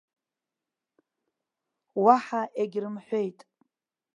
Уаҳа егьрымҳәеит.